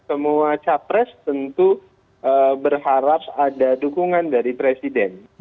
semua capres tentu berharap ada dukungan dari presiden